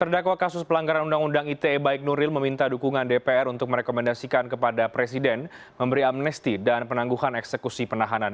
terdakwa kasus pelanggaran undang undang ite baik nuril meminta dukungan dpr untuk merekomendasikan kepada presiden memberi amnesti dan penangguhan eksekusi penahanan